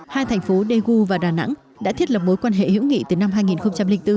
hai thành phố daegu và đà nẵng đã thiết lập mối quan hệ hữu nghị từ năm hai nghìn bốn